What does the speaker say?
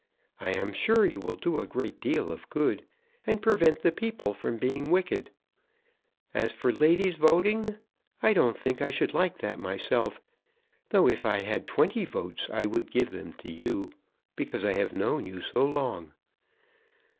I am sure you will do a great deal of good, and prevent the people from being wicked. As for ladies voting, I don't think I should like that myself, though if I had twenty votes I would give them to you, because I have known you so long.